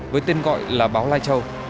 với tên gọi là báo lai châu